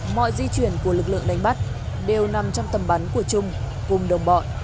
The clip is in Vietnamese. mọi di chuyển của lực lượng đánh bắt đều nằm trong tầm bắn của trung cùng đồng bọn